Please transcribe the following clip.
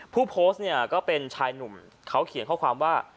ผู้โพสต์เนี่ยก็เป็นชายหนุ่มเขาเขียนข้อความว่า